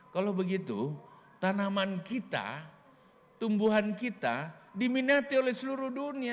kalau begitu tanaman kita tumbuhan kita diminati oleh seluruh dunia